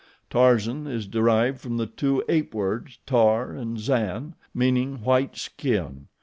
Tarzan is derived from the two ape words TAR and ZAN, meaning white skin.